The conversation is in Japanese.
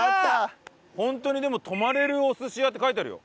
ホントに「泊まれるお寿司屋」って書いてあるよ。